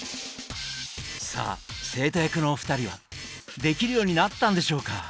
さあ生徒役のお二人はできるようになったんでしょうか？